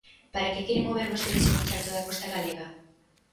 ¿Para que queren mover vostedes e pechar toda a costa galega?